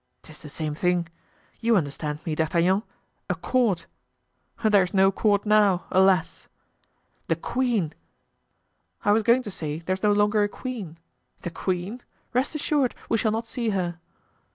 "'Tis the same thing—you understand me, D'Artagnan—a court." "There's no court now. Alas!" "The queen!" "I was going to say, there's no longer a queen. The queen! Rest assured, we shall not see her."